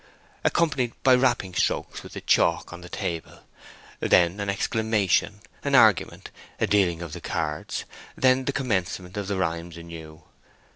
accompanied by rapping strokes with the chalk on the table; then an exclamation, an argument, a dealing of the cards; then the commencement of the rhymes anew.